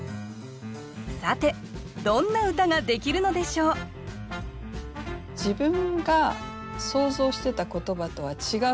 さてどんな歌ができるのでしょう自分が想像してた言葉とは違う言葉が相手から返ってきます。